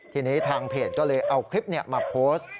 ทีนี้ทางเพจก็เลยเอาคลิปมาโพสต์